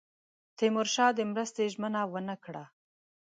تیمورشاه د مرستې ژمنه ونه کړه.